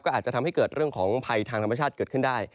อาจจะทำให้เกิดเรื่องของภัยทางธรรมชาติเกิดขึ้นได้